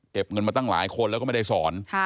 เงินมาตั้งหลายคนแล้วก็ไม่ได้สอน